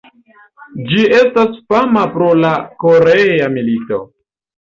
Ĝi estas fama pro la korea milito.